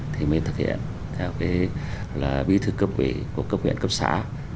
thì mới thực hiện theo cái là bí thư cấp ủy của cấp huyện cấp xã